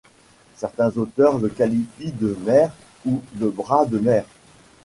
Certains auteurs le qualifient de mer ou de bras de mer.